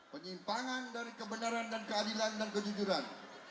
penyimpangan dari kebenaran dan keadilan dan kejujuran